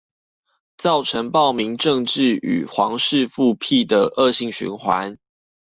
造成暴民政治與皇室復辟的惡性循環